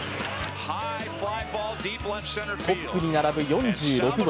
トップに並ぶ４６号。